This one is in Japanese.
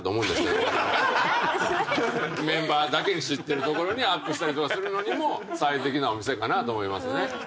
メンバーだけが知ってるところにアップしたりとかするのにも最適なお店かなと思いますね。